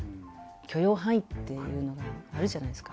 許容範囲っていうのがあるじゃないですか。